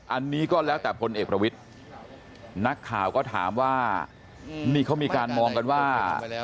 อันนี้ก็แล้วแต่พลเอกประวิทธิ์นักข่าวก็ถามว่านี่เขามีการมองกันว่า